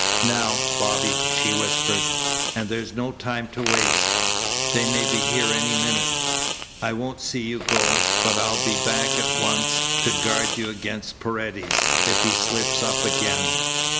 "Now, Bobby!" she whispered. "And there's no time to waste. They may be here any minute. I won't see you go, but I'll be back at once to guard you against Paredes if he slips up again."